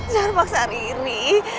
jangan paksa riri